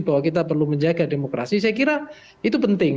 bahwa kita perlu menjaga demokrasi saya kira itu penting